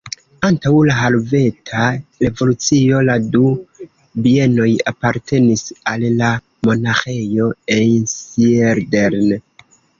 Antaŭ la Helveta Revolucio la du bienoj apartenis al la Monaĥejo Einsiedeln.